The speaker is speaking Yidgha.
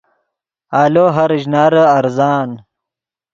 آلو ہر اشنارے ارزان